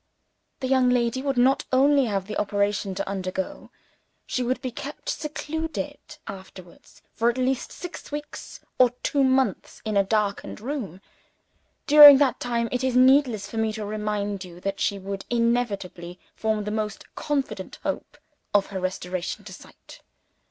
The young lady would not only have the operation to undergo, she would be kept secluded afterwards, for at least six weeks or two months, in a darkened room. During that time, it is needless for me to remind you that she would inevitably form the most confident hope of her restoration to sight.